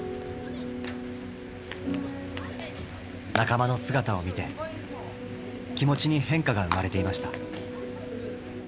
仲間の姿を見て気持ちに変化が生まれていました。